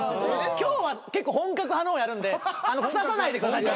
「今日は結構本格派のをやるんでくささないでください」